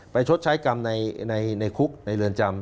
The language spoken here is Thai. ชดใช้กรรมในคุกในเรือนจำ